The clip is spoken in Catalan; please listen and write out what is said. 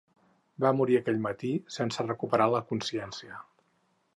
Va morir aquell matí sense recuperar la consciència.